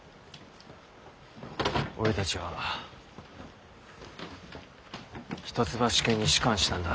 俺たちは一橋家に仕官したんだ。